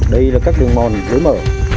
đây là các đường mòn dưới mở